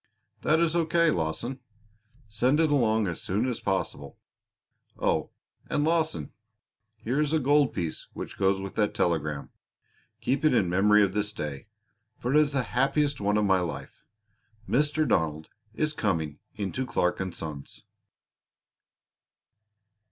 "That is O. K., Lawson. Send it along as soon as possible. Oh, and Lawson here is a gold piece which goes with that telegram. Keep it in memory of this day, for it is the happiest one of my life. Mr. Donald is coming into Clark & Sons!"